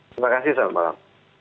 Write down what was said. terima kasih selamat malam